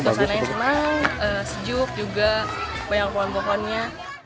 suasana yang senang sejuk juga banyak pohon pohonnya